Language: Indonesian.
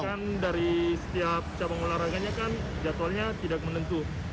karena kan dari setiap cabang olahraganya kan jadwalnya tidak menentu